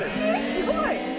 すごい！